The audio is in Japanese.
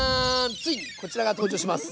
ついにこちらが登場します。